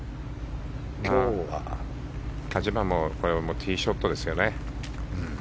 ティーショットですよね。